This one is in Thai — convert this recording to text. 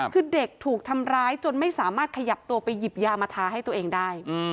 คือเด็กถูกทำร้ายจนไม่สามารถขยับตัวไปหยิบยามาทาให้ตัวเองได้